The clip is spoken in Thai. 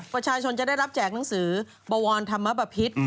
ว่าชายชนจะได้รับแจกหนังสือบวรธรรมปภิษฐ์